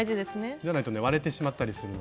じゃないとね割れてしまったりするので。